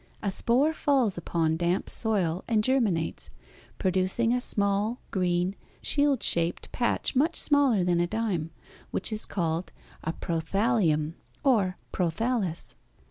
A spore falls upon damp soil and germinates, producing a small, green, shield shaped patch much smaller than a dime, which is called a prothállium (or prothallus).